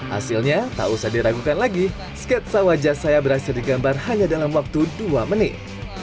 hasilnya tak usah diragukan lagi sketsa wajah saya berhasil digambar hanya dalam waktu dua menit